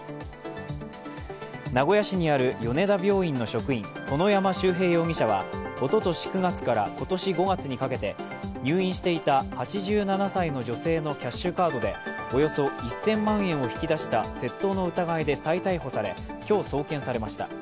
名古屋市にある米田病院の職員、殿山周平容疑者はおととし９月から今年５月にかけて入院していた８７歳の女性のキャッシュカードで、およそ１０００万円を引き出した窃盗の疑いで再逮捕され、今日、送検されました。